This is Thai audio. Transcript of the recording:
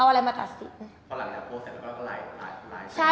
เอาอะไรมากับสิอ่ะ